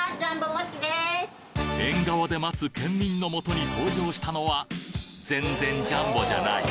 縁側で待つ県民のもとに登場したのは全然ジャンボじゃない！